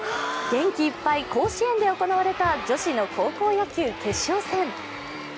元気いっぱい行われた女子の高校野球決勝戦。